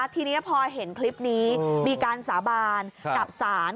ทีนี้พอเห็นคลิปนี้มีการสาบานกับศาล